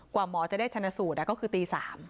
หมอจะได้ชนะสูตรก็คือตี๓